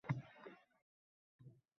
Oyi! Qanday qilib bunaqa boʻlishi mumkin?